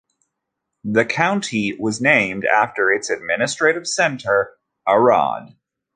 The county was named after its administrative center, Arad.